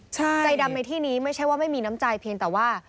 ใจดำในที่นี้ไม่ใช่ว่าไม่มีน้ำใจเพียงแต่ว่า